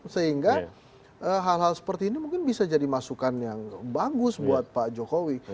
sehingga hal hal seperti ini mungkin bisa jadi masukan yang bagus buat pak jokowi